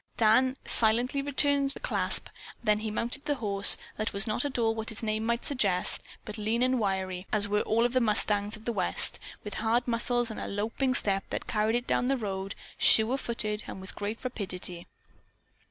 Dan silently returned the clasp, then he mounted the horse, that was not at all what its name might suggest, but lean and wiry, as were all of the mustangs of the West, with hard muscles and a loping step that carried it down the road, sure footed and with great rapidity.